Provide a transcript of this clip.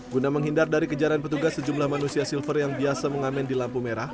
guna menghindar dari kejaran petugas sejumlah manusia silver yang biasa mengamen di lampu merah